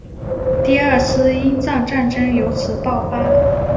第二次英藏战争由此爆发。